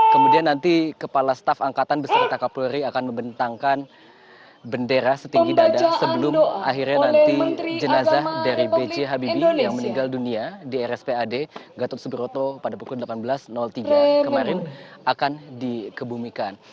kemudian nanti kepala staf angkatan beserta kapolri akan membentangkan bendera setinggi dada sebelum akhirnya nanti jenazah dari b j habibie yang meninggal dunia di rspad gatot subroto pada pukul delapan belas tiga kemarin akan dikebumikan